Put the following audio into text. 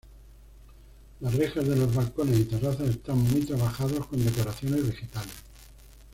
Las rejas de los balcones y terrazas están muy trabajados con decoraciones vegetales.